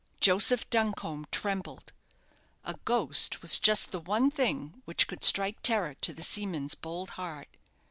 Joseph Duncombe trembled. A ghost was just the one thing which could strike terror to the seaman's bold heart.